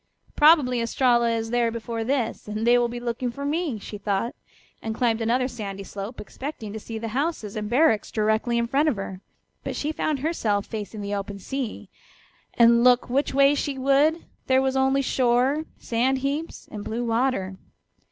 "Probably Estralla is there before this, and they will be looking for me," she thought, and climbed another sandy slope, expecting to see the houses and barracks directly in front of her. But she found herself facing the open sea, and look which way she would there was only shore, sand heaps and blue water.